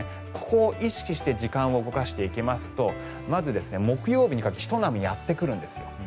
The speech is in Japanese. ここを意識して時間を動かしていきますと木曜日にかけてひと波やってくるんですよ。